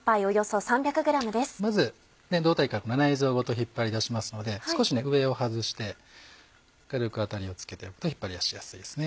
まず胴体から内臓ごと引っ張り出しますので少し上を外して軽く当たりをつけておくと引っ張り出しやすいです。